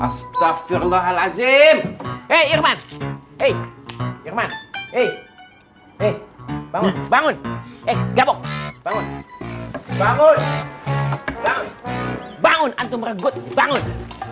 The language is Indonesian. astagfirullahaladzim irwan irwan bangun bangun